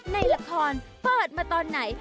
ในละครเปิดมาตอนไหน